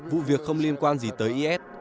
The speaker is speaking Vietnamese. vụ việc không liên quan gì tới is